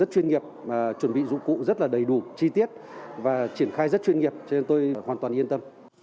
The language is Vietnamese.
chuyên nghiệp chuẩn bị dụng cụ rất là đầy đủ chi tiết và triển khai rất chuyên nghiệp cho nên tôi hoàn toàn yên tâm